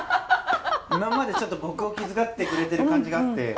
今までちょっと僕を気遣ってくれてる感じがあって。